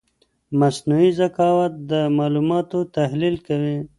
مصنوعي ذکاوت د معلوماتو تحلیل کوي.